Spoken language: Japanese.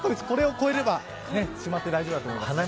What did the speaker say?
これを越えればしまっていいと思います。